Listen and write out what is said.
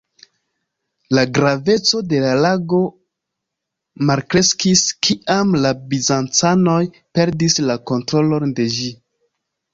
La graveco de la lago malkreskis, kiam la bizancanoj perdis la kontrolon de ĝi.